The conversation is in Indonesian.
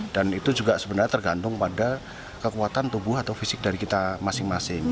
dan itu juga sebenarnya tergantung pada kekuatan tubuh atau fisik dari kita masing masing